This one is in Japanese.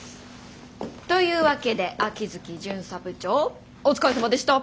というわけで秋月巡査部長お疲れさまでした！